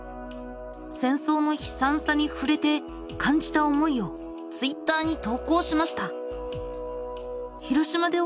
戦争の悲さんさにふれて感じた思いをＴｗｉｔｔｅｒに投稿しました。